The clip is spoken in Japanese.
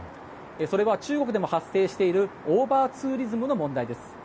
それは、中国でも発生しているオーバーツーリズムの問題です。